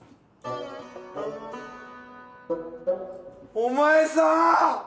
お前さん！